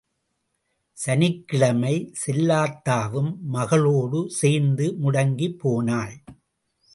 சனிக்கிழமை செல்லாத்தாவும் மகளோடு சேர்ந்து முடங்கிப் போனாள்.